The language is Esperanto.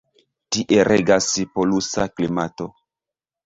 Tie regas polusa klimato.